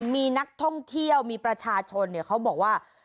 มีนักท่องเที่ยวมีประชาชนเขาบอกว่า